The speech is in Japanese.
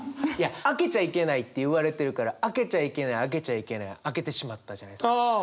開けちゃいけないって言われてるから開けちゃいけない開けちゃいけない開けてしまったじゃないですか。